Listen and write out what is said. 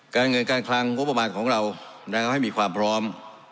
การเงินการคลังงบประมาณของเราให้มีความพร้อม